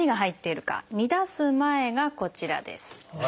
煮出す前がこちらです。